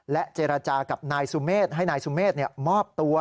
เจรจากับนายสุเมฆให้นายสุเมฆมอบตัว